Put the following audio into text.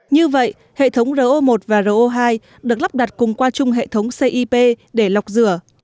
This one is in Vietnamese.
như vậy hệ thống ro một và ro hai được lắp đặt cùng qua chung hệ thống cip để lọc rửa